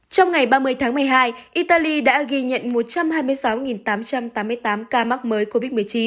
trong ngày ba mươi tháng một mươi hai italy đã ghi nhận một trăm hai mươi sáu tám trăm tám mươi tám ca mắc mới covid một mươi chín